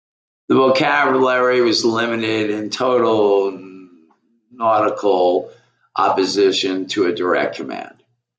The vocabulary was limited and totally nautical, apposite to a direct command.